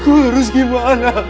aku harus gimana kak